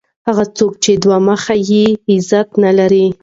هغه څوک چي دوه مخی يي؛ عزت نه لري.